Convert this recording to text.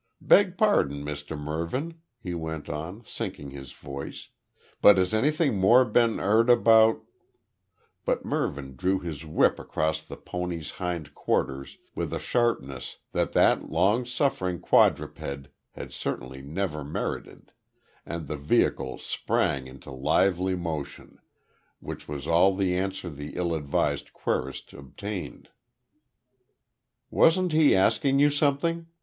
"Beg pardon, Mr Mervyn," he went on, sinking his voice, "but has anything more been 'eard about " But Mervyn drew his whip across the pony's hind quarters with a sharpness that that long suffering quadruped had certainly never merited, and the vehicle sprang into lively motion, which was all the answer the ill advised querist obtained. "Wasn't he asking you something?"